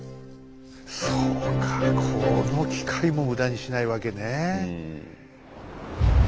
そうかこの機会も無駄にしないわけね。